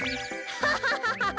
ハハハハハ！